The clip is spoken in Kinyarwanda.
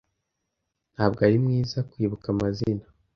Ntabwo ari mwiza kwibuka amazina.